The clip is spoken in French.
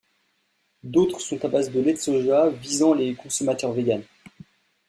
D’autres sont à base de lait de soja, visant les consommateurs végan.